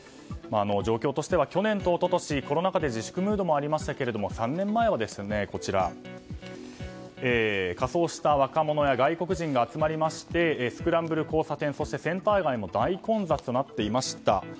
状況としては、去年と一昨年コロナ禍で自粛ムードがありましたけども３年前は、仮装した若者や外国人が集まりましてスクランブル交差点そしてセンター街も大混雑となっていました。